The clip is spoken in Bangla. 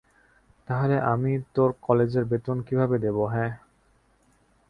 তাহলে আমি তোর কলেজের বেতন কিভাবে দেব, হ্যাঁ?